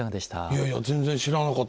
いやいや全然知らなかったです。